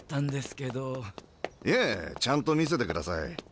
いえちゃんと見せてください。